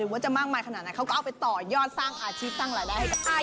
ว่าจะมากมายขนาดไหนเขาก็เอาไปต่อยอดสร้างอาชีพสร้างรายได้ให้กับใคร